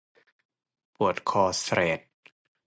ปวดคอแสรด